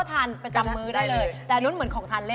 ทำมื้อได้เลยแต่อันนั้นเหมือนของทานเล่น